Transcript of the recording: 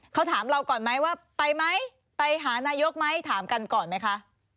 เขาถามเราก่อนไหมว่าไปไหมไปหานายกไหมถามกันก่อนไหมคะ